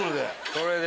それで。